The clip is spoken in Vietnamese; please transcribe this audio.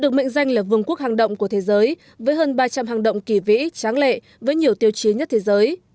được mệnh danh là vườn quốc hàng động của thế giới với hơn ba trăm linh hang động kỳ vĩ tráng lệ với nhiều tiêu chí nhất thế giới